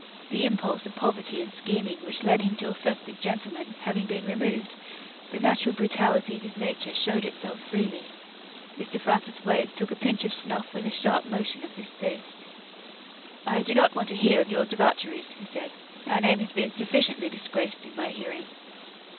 The impulse of poverty and scheming which led him to affect the "gentleman" having been removed, the natural brutality of his nature showed itself quite freely. Mr. Francis Wade took a pinch of snuff with a sharp motion of distaste. "I do not want to hear of your debaucheries," he said; "our name has been sufficiently disgraced in my hearing."